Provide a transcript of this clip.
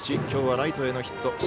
今日はライトへのヒット。